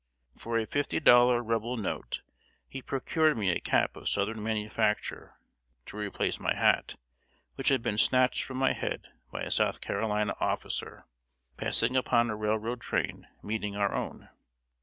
For a fifty dollar Rebel note he procured me a cap of southern manufacture, to replace my hat, which had been snatched from my head by a South Carolina officer, passing upon a railroad train meeting our own.